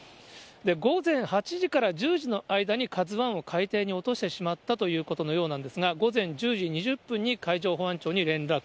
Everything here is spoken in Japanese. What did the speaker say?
午前８時から１０時の間にＫＡＺＵＩを海底に落としてしまったということのようなんですが、午前１０時２０分に海上保安庁に連絡。